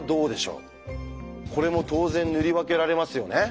これも当然塗り分けられますよね。